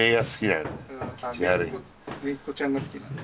姪っ子ちゃんが好きなんだ。